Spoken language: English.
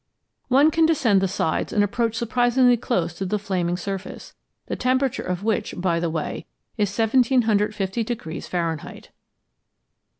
One can descend the sides and approach surprisingly close to the flaming surface, the temperature of which, by the way, is 1750 degrees Fahrenheit.